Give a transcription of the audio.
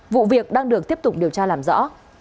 vụ việc đang được tiếp tục điều tra làm rõ